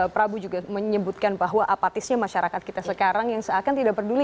prabu juga menyebutkan bahwa apatisnya masyarakat kita sekarang yang seakan tidak peduli